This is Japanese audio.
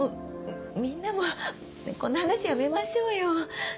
みんなもこんな話やめましょうよ。